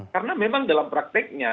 karena memang dalam prakteknya